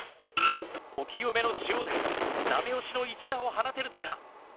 お清めの塩でダメ押しの一打を放てるのか？